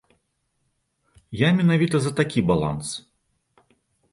Я менавіта за такі баланс.